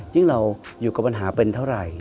ยิ่งเราอยู่กับปัญหาเป็นเท่าไหร่